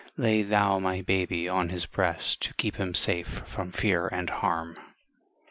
Lay Thou my baby on his breast To keep him safe from fear and harm!